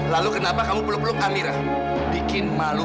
lalu kenapa kamu peluk peluk kamera bikin malu